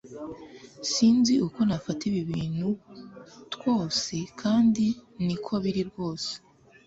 sinz uko nafata ibi bintu twose kandi niko biri rwose